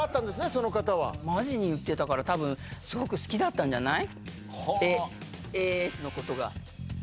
その方はマジに言ってたから多分すごく好きだったんじゃない？